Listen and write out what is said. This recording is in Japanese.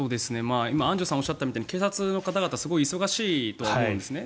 アンジュさんがおっしゃったみたいに警察の方々、すごい忙しいとは思うんですね。